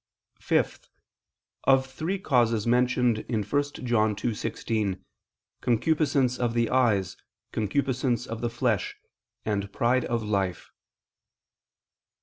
(5) Of three causes mentioned in 1 John 2:16: "Concupiscence of the eyes, Concupiscence of the flesh," and "Pride of life."